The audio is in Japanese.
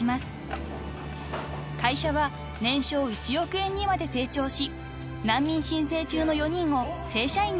［会社は年商１億円にまで成長し難民申請中の４人を正社員に登用］